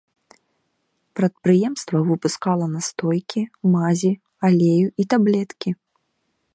Прадпрыемства выпускала настойкі, мазі, алею і таблеткі.